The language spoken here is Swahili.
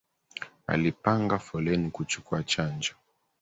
Alipanga foleni kuchukua chanjo